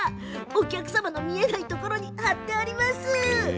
お客さんの見えないところに貼ってあります！